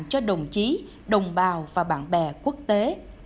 cho đồng chí đồng bào và bạn bè quốc tế